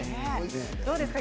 どうですか？